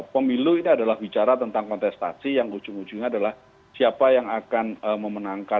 pemilu ini adalah bicara tentang kontestasi yang ujung ujungnya adalah siapa yang akan memenangkan